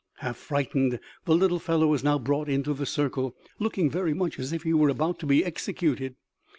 Half frightened, the little fellow was now brought into the circle, looking very much as if he were about to be executed.